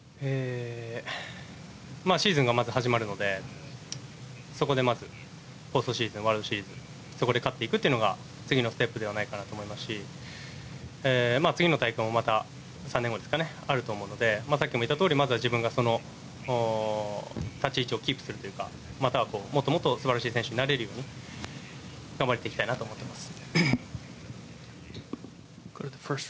シーズンがまず始まるのでそこでまず、ポストシーズンワールドシーズンそこで勝っていくというのが次のステップではないかなと思いますし次の大会もまた３年後あると思うのでさっきも言ったとおりまずは自分がその立ち位置をキープするというかまたはもっともっと素晴らしい選手になれるように頑張っていきたいなと思っています。